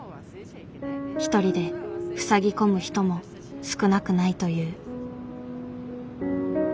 一人でふさぎ込む人も少なくないという。